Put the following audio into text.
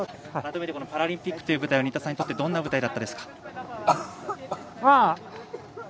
改めてパラリンピックという舞台は新田さんにとってどんな舞台だったですか。